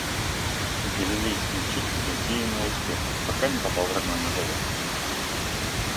Галилейский учитель везде имел успех, пока не попал в родной Назарет.